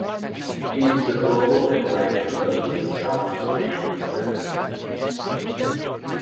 He is the global advisor of the South Korean President.